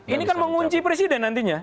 ini kan mengunci presiden nantinya